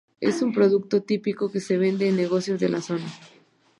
Es un producto típico que se vende en negocios de la zona.